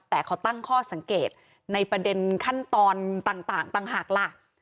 แต่เขาตั้งข้อสังเกตในประเด็นขั้นตอนต่างหากล่ะ